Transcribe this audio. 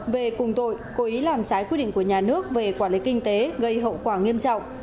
về cùng tội cố ý làm trái quy định của nhà nước về quản lý kinh tế gây hậu quả nghiêm trọng